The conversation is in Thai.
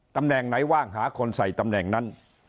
ตำแหน่งไหนว่างหาคนใส่ตำแหน่งนั้น